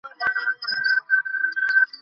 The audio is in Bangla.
ওদেরকে আবারও যুদ্ধের জন্য ডাকব!